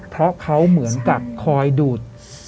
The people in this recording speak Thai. เพราะเขาเหมือนกับคอยดูด